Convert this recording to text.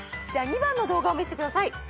２番の動画を見せてください。